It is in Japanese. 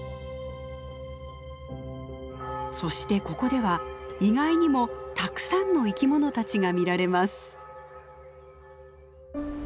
そしてここでは意外にもたくさんの生き物たちが見られます。